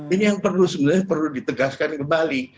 ini yang perlu sebenarnya perlu ditegaskan kembali